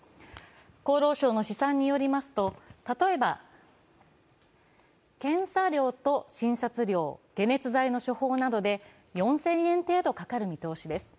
厚労省の試算によりますと、例えば、検査料と診察料、解熱剤の処方などで４０００円程度かかる見通しです。